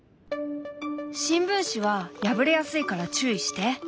新聞紙は破れやすいから注意して。